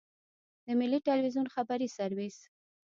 د ملي ټلویزیون خبري سرویس.